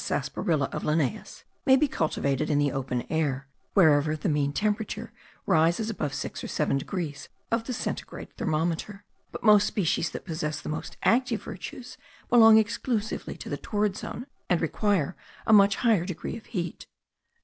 sarsaparilla of Linnaeus, may be cultivated in the open air, wherever the mean winter temperature rises above six or seven degrees of the centigrade thermometer*: but those species that possess the most active virtues belong exclusively to the torrid zone, and require a much higher degree of heat.